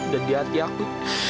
dan di hati aku